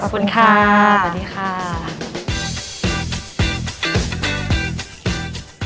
ขอบคุณค่ะสวัสดีค่ะ